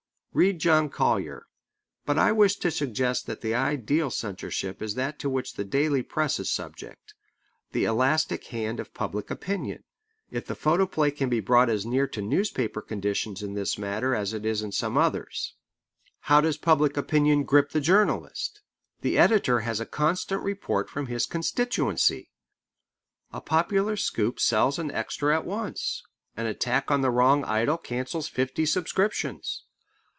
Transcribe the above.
Read John Collier. But I wish to suggest that the ideal censorship is that to which the daily press is subject, the elastic hand of public opinion, if the photoplay can be brought as near to newspaper conditions in this matter as it is in some others. How does public opinion grip the journalist? The editor has a constant report from his constituency. A popular scoop sells an extra at once. An attack on the wrong idol cancels fifty subscriptions.